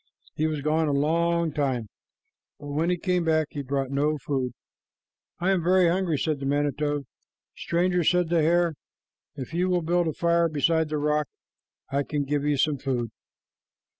He was gone a long time, but when he came back, he brought no food. "I am very hungry," said the manito. "Stranger," said the hare, "if you will build a fire beside the rock, I can give you some food."